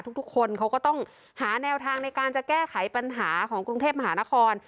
ทุกคนเขาก็ต้องหาแนวทางในการจะแก้ไขปัญหาของกรุงเทพมหานคร